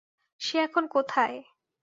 সে এখন কোথায়।